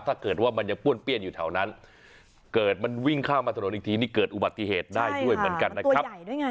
ถ้าเกิดว่ามันยังป้วนเปี้ยนอยู่แถวนั้นเกิดมันวิ่งข้ามมาถนนอีกทีนี่เกิดอุบัติเหตุได้ด้วยเหมือนกันนะครับ